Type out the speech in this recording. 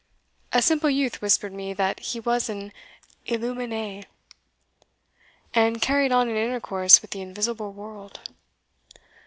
A simple youth whispered me that he was an Illumine', and carried on an intercourse with the invisible world."